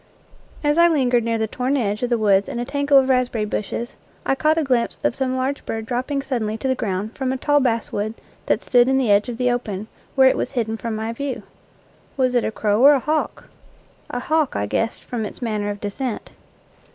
As I lingered near the torn edge of the woods in a tangle of raspberry bushes, I caught a glimpse of some large bird dropping suddenly to the ground from a tall basswood that stood in the edge of the open, where it was hidden from my view. Was it a crow or a hawk? A hawk, I guessed, from its manner of descent.